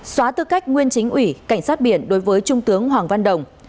xóa tư cách nguyên chính ủy cảnh sát biển đối với trung tướng hoàng văn đồng